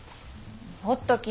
ほっとき。